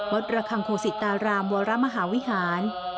วัดรคังโศตารามวรรมหาวิฮาน